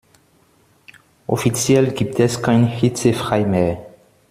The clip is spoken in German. Offiziell gibt es kein Hitzefrei mehr.